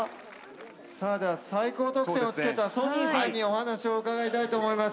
さあでは最高得点をつけたソニンさんにお話を伺いたいと思います。